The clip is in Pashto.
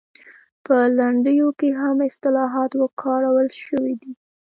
په لنډیو کې هم اصطلاحات کارول شوي دي